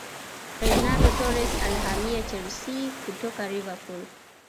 Fernando Torres alihamia chelsea kutoka liverpool